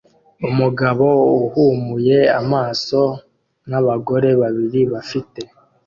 Umugabo uhumuye amaso nabagore babiri bafite